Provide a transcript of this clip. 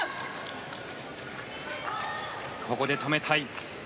ここで止めたい。